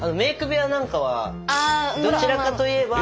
部屋なんかはどちらかと言えば。